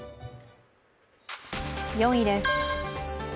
４位です。